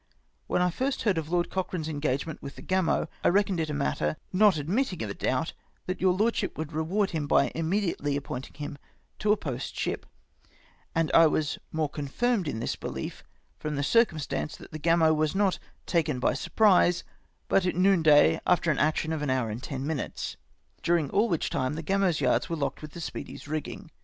" When I first heard of Lord Cochrane's engagement with the Gamo, I reckoned it as a matter not admitting of a doubt that your Lordship would reward him by immediately ap pointing him to a post ship, and I was the more confirmed in this belief from the circumstance that the Gamo was not tal'en by surprise, but at noonday, after an action of an hour and ten minutes ; during all of which time the Gamo'^s yards were locked with the Speedfs rigging.